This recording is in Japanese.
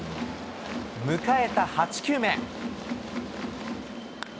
迎えた８球目。